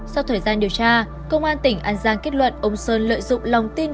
sau thời gian điều tra công an tỉnh an giang kết luận ông sơn lợi dụng lòng tin